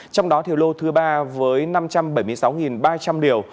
trong đó thì có lô thứ ba với năm trăm bảy mươi sáu ba trăm linh liều